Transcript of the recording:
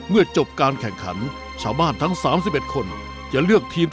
เอาล่ะน้ำเงิน